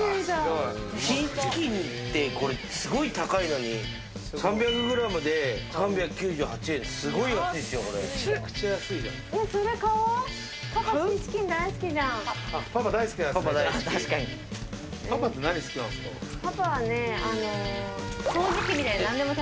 シーチキンってすごい高いのに３００ｇで３９８円ってすごい安いですよ。